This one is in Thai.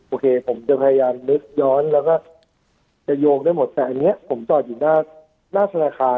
โอเคผมจะพยายามนึกย้อนแล้วก็จะโยงได้หมดแต่อันนี้ผมจอดอยู่หน้าธนาคาร